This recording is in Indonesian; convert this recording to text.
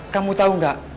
kamu tahu enggak